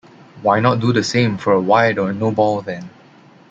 Why not do the same for a wide or no-ball, then?